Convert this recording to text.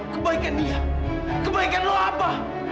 kebaikan dia kebaikan lu apa